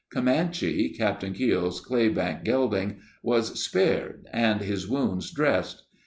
Comanche, Captain Keogh's claybank gelding, was spared and his wounds dressed.